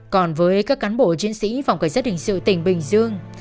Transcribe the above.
còn với các cán bộ chiến sĩ phòng cảnh sát hình sự tỉnh bình dương